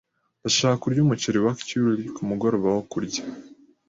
Ndashaka kurya umuceri wa curry kumugoroba wo kurya.